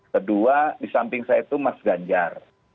kedua disamping saya itu mas ganjar